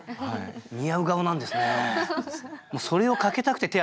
似合う顔なんですね。